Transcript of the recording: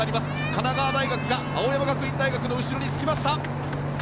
神奈川大学が青山学院大学の後ろにつきました。